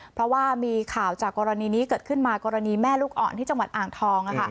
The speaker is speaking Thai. เพราะว่ามีข่าวจากกรณีนี้เกิดขึ้นมากรณีแม่ลูกอ่อนที่จังหวัดอ่างทอง